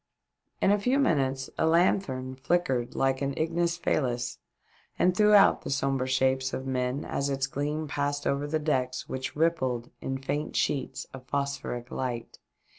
In a few minutes a lanthorn flickered like an ignis fahms and threw out the sombre shapes of men as its gleam passed over the decks which rippled in faint sheets of phosphoric light.